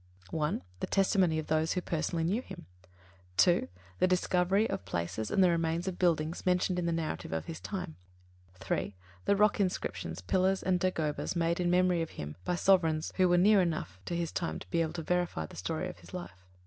(1) The testimony of those who personally knew him. (2) The discovery of places and the remains of buildings mentioned in the narrative of his time. (3) The rock inscriptions, pillars and dagobas made in memory of him by sovereigns who were near enough to his time to be able to verify the story of his life.